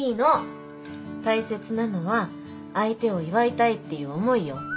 大切なのは相手を祝いたいっていう思いよ。